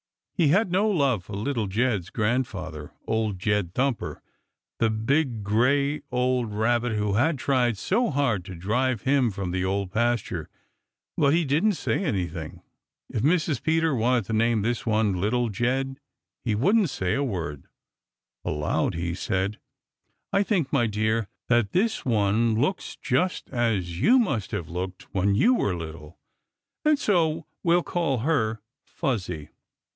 He had no love for Little Jed's grandfather, Old Jed Thumper, the big, gray, old Rabbit who had tried so hard to drive him from the Old Pasture, but he didn't say anything. If Mrs. Peter wanted to name this one Little Jed, he wouldn't say a word. Aloud he said: "I think, my dear, that this one looks just as you must have looked when you were little, and so we'll call her Fuzzy.